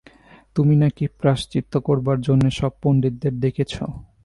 তুমি নাকি প্রায়শ্চিত্ত করবার জন্যে সব পণ্ডিতদের ডেকেছ?